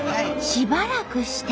しばらくして。